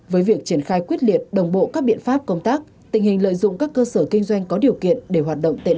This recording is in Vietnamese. với việc triển khai quyết liệt đồng bộ các biện pháp công tác tình hình lợi dụng các cơ sở kinh doanh có điều kiện để hoạt động tệ nạn